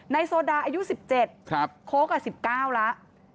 โซดาอายุ๑๗โค้ก๑๙แล้ว